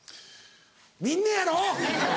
見んのやろ